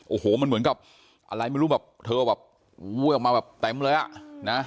โอ้โหมันเหมือนกับอะไรไม่รู้แบบเธอแบบอุ้ยออกมาแบบเต็มเลยอ่ะนะ